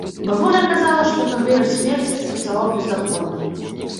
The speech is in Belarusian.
Бабуля казала, што канвеер смерці працаваў бездакорна.